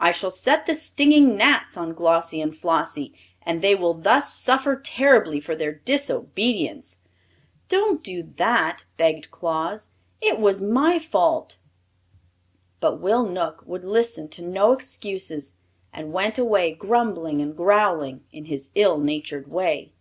I shall set the stinging gnats on Glossie and Flossie, and they will thus suffer terribly for their disobedience." "Don't do that!" begged Claus. "It was my fault." But Will Knook would listen to no excuses, and went away grumbling and growling in his ill natured way.